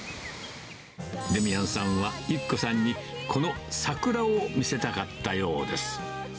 デミアンさんは、由希子さんにこの桜を見せたかったようです。